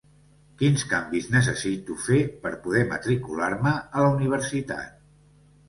Quins canvis necessito fer per poder matricular-me a la universitat?